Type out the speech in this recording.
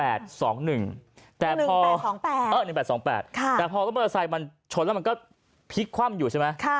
แต่พอ๑๘๒๘แต่พอรถมอเตอร์ไซค์มันชนแล้วมันก็พลิกคว่ำอยู่ใช่ไหม